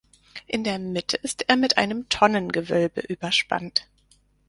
In der Mitte ist er mit einem Tonnengewölbe überspannt.